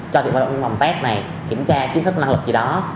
cho chị qua những cái vòng test này kiểm tra kiến thức năng lực gì đó